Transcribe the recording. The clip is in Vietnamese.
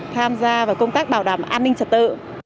tham gia vào công tác bảo đảm an ninh trật tự